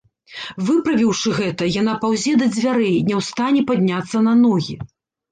Выправіўшы гэта, яна паўзе да дзвярэй, ня ў стане падняцца на ногі.